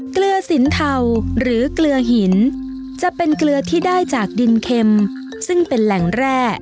เกลือสินเทาหรือเกลือหินจะเป็นเกลือที่ได้จากดินเค็มซึ่งเป็นแหล่งแร่